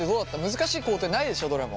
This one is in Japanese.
難しい工程ないでしょどれも。